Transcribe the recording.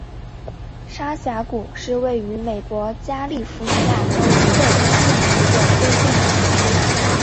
沙峡谷是位于美国加利福尼亚州克恩县的一个非建制地区。